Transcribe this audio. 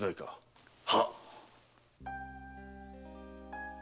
はっ。